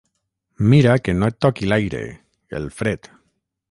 Mira que no et toqui l'aire, el fred.